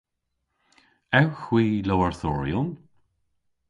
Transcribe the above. Ewgh hwi lowarthoryon?